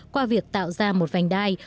qua việc tạo ra một vành đai